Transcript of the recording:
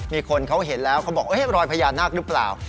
มีคนเขาเห็นแล้วเขาบอกรอยพญานาคหรือเปล่า